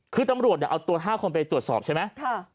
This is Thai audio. คือตำรวจเอาตัว๕คนไปตรวจสอบใช่ไหม